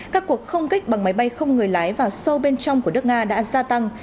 các cuộc không kích bằng máy bay không người lái vào sâu bên trong của nước nga đã gia tăng